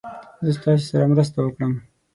زه ستاسې سره مرسته وکړم.